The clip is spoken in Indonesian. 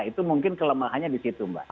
itu mungkin kelemahannya di situ mbak